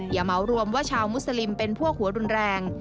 อย่าเหมารวมว่าชาวมุสลิมเป็นพวกหัวรุนแรง